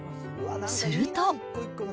すると。